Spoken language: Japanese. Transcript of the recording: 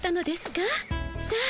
さあ